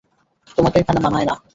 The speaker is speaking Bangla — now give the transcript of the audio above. তোমাকে এখানে মানায় না।